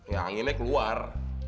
yang ini keluar